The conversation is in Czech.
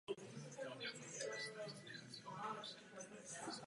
Soud namísto uznání plnoletosti pověří péčí o Lux její biologické rodiče.